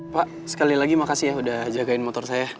pak sekali lagi makasih ya udah jagain motor saya